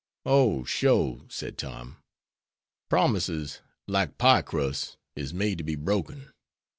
"Oh, sho!" said Tom, "promises, like pie crusts, is made to be broken.